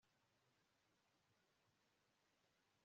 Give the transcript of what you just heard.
Youd better go to bed at once